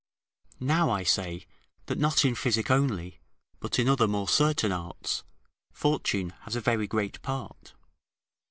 Now, I say, that not in physic only, but in other more certain arts, fortune has a very great part.